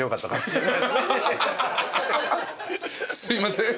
すいません